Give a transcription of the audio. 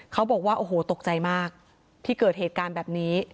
เขาบอกว่าโอ้โหตกใจมากที่เกิดเหตุการณ์แบบนี้